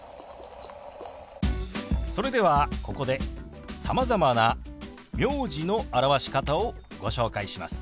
それではここでさまざまな名字の表し方をご紹介します。